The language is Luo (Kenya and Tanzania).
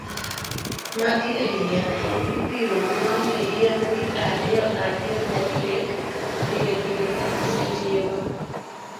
Magi e yien, ibiro muonyo yien gi ariyo ariyo nyadi dek, pilepile ka isechiemo.